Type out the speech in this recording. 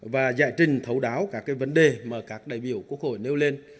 và giải trình thấu đáo các vấn đề mà các đại biểu quốc hội nêu lên